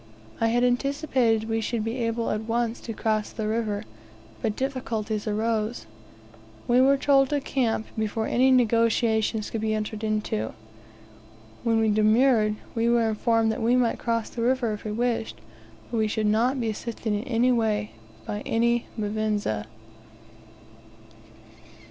I had anticipated we should be able at once to cross the river, but difficulties arose. We were told to camp, before any negotiations could be entered into. When we demurred, we were informed we might cross the river if we wished, but we should not be assisted by any Mvinza.